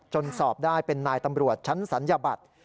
สอบได้เป็นนายตำรวจชั้นศัลยบัตร